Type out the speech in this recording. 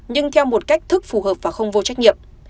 nhưng theo một cách thức phù hợp và không vô trách nhiệm